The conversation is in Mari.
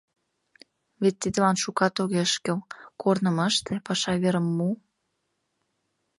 Вет тидлан шукат огеш кӱл: корным ыште, паша верым му.